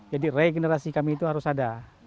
jadi regenerasi kami itu harus ada